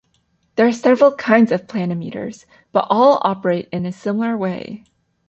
There are several kinds of planimeters, but all operate in a similar way.